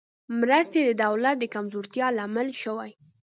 مرستې د دولت د کمزورتیا لامل شوې.